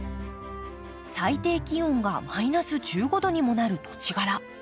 最低気温がマイナス１５度にもなる土地柄。